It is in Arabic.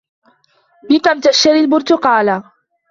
بِكَمْ تَشْتَرِيَ الْبُرْتُقالَةَ ؟